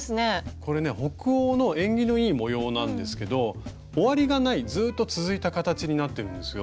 これね北欧の縁起のいい模様なんですけど終わりがないずっと続いた形になってるんですよ。